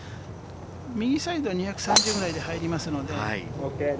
右サイドは２３０ぐらいで入りますので。